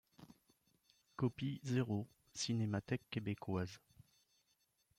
Copie zéro, Cinémathèque québécoise.